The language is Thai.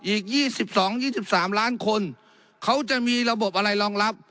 อีกยี่สิบสองยี่สิบสามล้านคนเขาจะมีระบบอะไรรองรับ